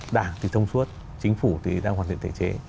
đảng thì thông suốt chính phủ thì đang hoàn thiện thể chế